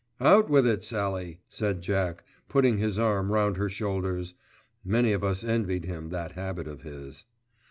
"Out with it, Sallie," said Jack, putting his arm round her shoulders. Many of us envied him that habit of his.